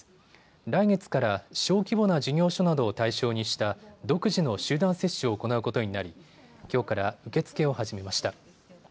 来月から小規模な事業所などを対象にした独自の集団接種を行うことになりきょうから受け付けを始めました。